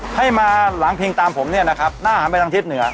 ให้มาหลังเพลงตามผมเนี่ยนะครับหน้าหันไปทางทิศเหนือ